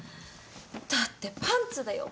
だってパンツだよ？